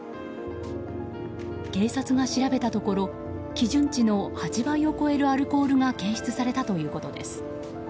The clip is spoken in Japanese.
警察が調べたところ基準値の８倍を超えるアルコールが検出されたということです。